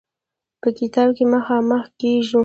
په کتاب کې مخامخ کېږو.